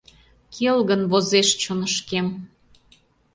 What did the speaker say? Келгын возеш чонышкем.